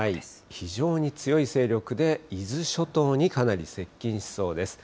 非常に強い勢力で、伊豆諸島にかなり接近しそうです。